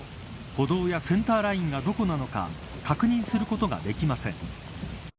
歩道やセンターラインがどこなのか確認することができません。